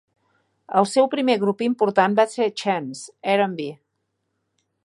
El seu primer grup important va ser Chants R and B.